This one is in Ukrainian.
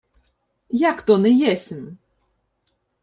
— Як то не єсмь?